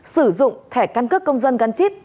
sử dụng thẻ căn cước công dân gắn chip